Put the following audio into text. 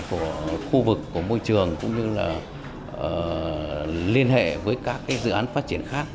của khu vực của môi trường cũng như là liên hệ với các dự án phát triển khác